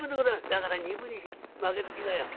「だから二分にまけときなよ」。